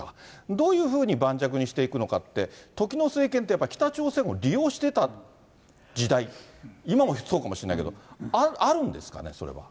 どういうふうに盤石にしていくのかって、時の政権って北朝鮮を利用してた時代、今もそうかもしれないけれども、あるんですかね、それは。